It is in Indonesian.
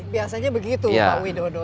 biasanya begitu pak widodo